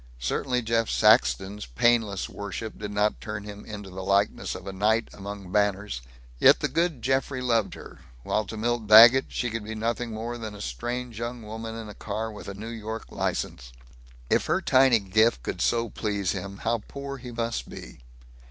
Certainly Jeff Saxton's painless worship did not turn him into the likeness of a knight among banners. Yet the good Geoffrey loved her, while to Milt Daggett she could be nothing more than a strange young woman in a car with a New York license. If her tiny gift could so please him, how poor he must be.